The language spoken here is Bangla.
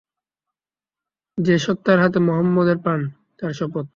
যে সত্তার হাতে মুহাম্মদের প্রাণ, তাঁর শপথ!